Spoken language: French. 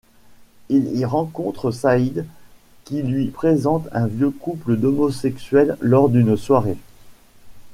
Il y rencontre Saïd qui lui présente un vieux couple d'homosexuels lors d'une soirée.